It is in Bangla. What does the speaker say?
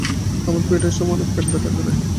আমার পিরিয়ডের সময় অনেক পেট ব্যথা করে।